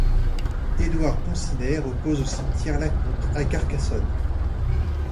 Édouard Ponsinet repose au cimetière La Conte à Carcassonne.